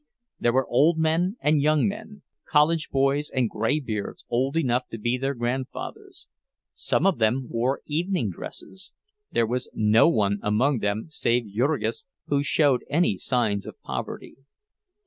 There were old men and young men, college boys and gray beards old enough to be their grandfathers; some of them wore evening dress—there was no one among them save Jurgis who showed any signs of poverty.